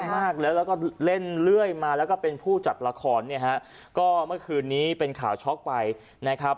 มากแล้วแล้วก็เล่นเรื่อยมาแล้วก็เป็นผู้จัดละครเนี่ยฮะก็เมื่อคืนนี้เป็นข่าวช็อกไปนะครับ